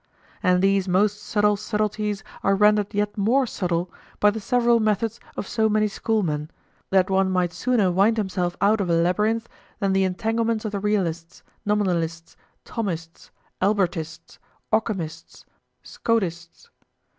And these most subtle subtleties are rendered yet more subtle by the several methods of so many Schoolmen, that one might sooner wind himself out of a labyrinth than the entanglements of the realists, nominalists, Thomists, Albertists, Occamists, Scotists.